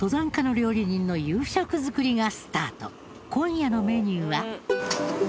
今夜のメニューは。